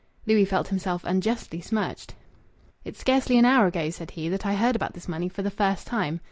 Louis felt himself unjustly smirched. "It's scarcely an hour ago," said he, "that I heard about this money for the first time."